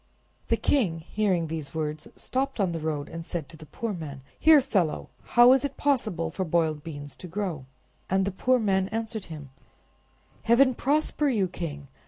The king, hearing these words, stopped on the road, and said to the poor man— "Here, fellow! how is it possible for boiled beans to grow?" And the poor man answered him— "Heaven prosper you, king!